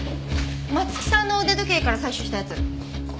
松木さんの腕時計から採取したやつ？